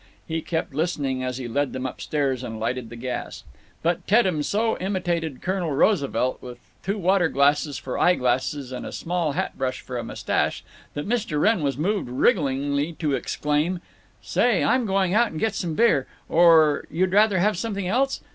He kept listening, as he led them up stairs and lighted the gas. But Teddem so imitated Colonel Roosevelt, with two water glasses for eye glasses and a small hat brush for mustache, that Mr. Wrenn was moved wrigglingly to exclaim: "Say, I'm going out and get some beer. Or 'd you rather have something else?